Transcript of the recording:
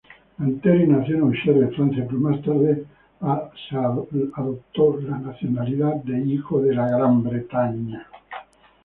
Lanteri nació en Auxerre, Francia pero más tarde adoptó la nacionalidad británica.